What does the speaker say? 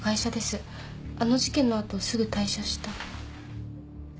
あの事件の後すぐ退社した。